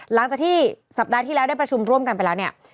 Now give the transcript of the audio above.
หลังซากที่วันนี้ได้ประชุมร่วมกันไปแล้วซะเนี่ย